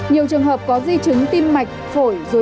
nhiều trường hợp có di chứng tim mạch phổi dối loạn